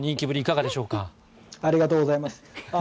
ありがとうございます。